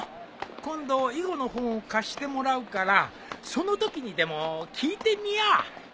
今度囲碁の本を貸してもらうからそのときにでも聞いてみよう。